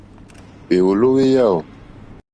Hwèwòló hwé yáò.